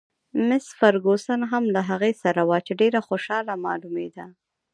مس فرګوسن هم له هغې سره وه، چې ډېره خوشحاله معلومېده.